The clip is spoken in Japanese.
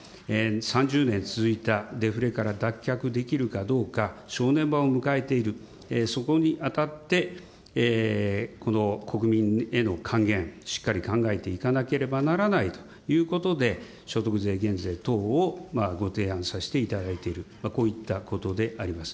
３０年続いたデフレから脱却できるかどうか、正念場を迎えている、そこにあたってこの国民への還元、しっかり考えていかなければならないということで、所得税減税等をご提案させていただいている、こういったことであります。